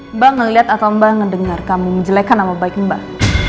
mbak ngeliat atau mbak ngedengar kamu menjelekan nama baik mbak